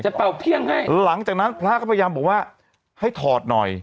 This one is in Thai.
เป่าเพียงให้หลังจากนั้นพระก็พยายามบอกว่าให้ถอดหน่อย